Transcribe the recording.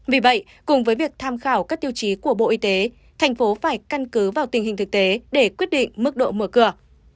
vì vậy cùng với việc tham khảo các tiêu chí của bộ y tế thành phố phải căn cứ vào tình hình thực tế để quyết định mức độ mở cửa